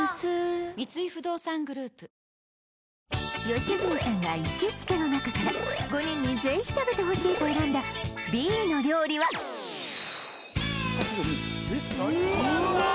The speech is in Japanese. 良純さんが行きつけの中から５人にぜひ食べてほしいと選んだＢの料理はえっ何これ？